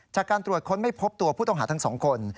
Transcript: จากการตรวจค้นไม่พบตัวผู้ต้องหาทั้งสองคน